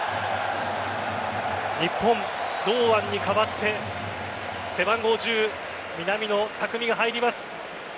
日本、堂安に代わって背番号１０・南野拓実が入ります。